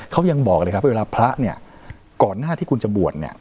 เขายังบอกเลยครับเวลาพระเนี่ยก่อนหน้าที่คุณจะบวชเนี่ย